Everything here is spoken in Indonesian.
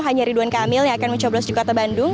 hanya ridwan kamil yang akan mencoblos di kota bandung